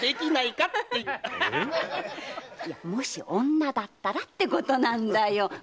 もし女だったらってことなんだよ。